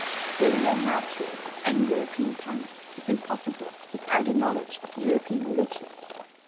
The real mastery of any European tongue is impossible without a knowledge of European religion.